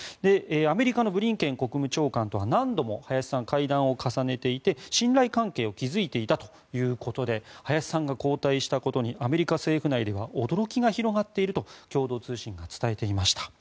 アメリカのブリンケン国務長官とは何度も林さん、会談を重ねていて信頼関係を築いていたということで林さんが交代したことにアメリカ政府内では驚きが広がっていると共同通信が伝えていました。